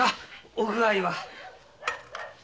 お具合は。